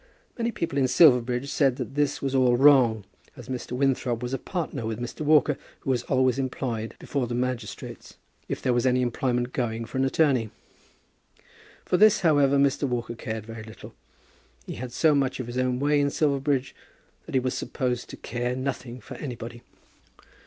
Many people in Silverbridge said that this was all wrong, as Mr. Winthrop was partner with Mr. Walker, who was always employed before the magistrates if there was any employment going for an attorney. For this, however, Mr. Walker cared very little. He had so much of his own way in Silverbridge, that he was supposed to care nothing for anybody.